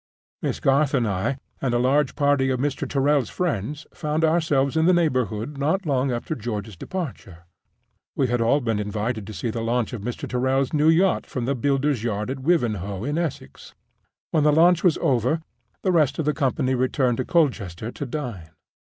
Miss Garth and I, and a large party of Mr. Tyrrel's friends, found ourselves in the neighborhood not long after George's departure. We had all been invited to see the launch of Mr. Tyrrel's new yacht from the builder's yard at Wivenhoe, in Essex. When the launch was over, the rest of the company returned to Colchester to dine.